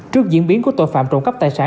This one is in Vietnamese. trước diễn biến của tội phạm trộm cắp tài sản